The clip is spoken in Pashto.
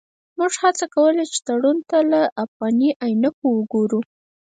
موږ هڅه کوله چې تړون ته له افغاني عینکو وګورو.